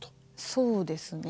そうですね。